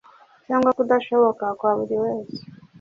cyangwa kudashoboka kwa buriwese